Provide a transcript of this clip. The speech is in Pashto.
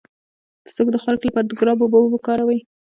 د سترګو د خارښ لپاره د ګلاب اوبه وکاروئ